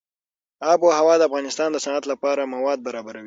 آب وهوا د افغانستان د صنعت لپاره مواد برابروي.